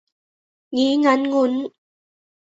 งี้งั้นงุ้น